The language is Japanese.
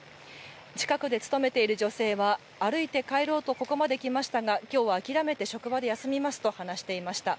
近くで勤めている女性は歩いて帰ろうとここまで来ましたがきょうは諦めて職場で休みますと話していました。